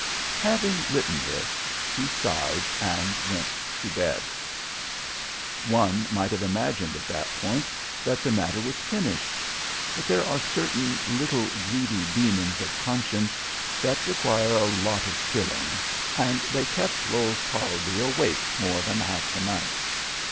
Having written this, he sighed and went to bed. One might have imagined at that point that the matter was finished. But there are certain little greedy demons of conscience that require a lot of stilling, and they kept Lowes Parlby awake more than half the night.